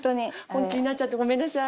本気になっちゃってごめんなさい。